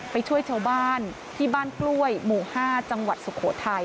ไปช่วยชาวบ้านที่บ้านกล้วยหมู่๕จังหวัดสุโขทัย